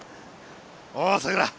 おうさくら